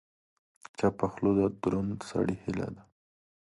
چپه خوله، د دروند سړي هیله ده.